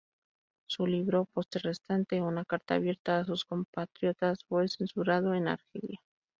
Su libro "Poste restante", una carta abierta a sus compatriotas, fue censurado en Argelia.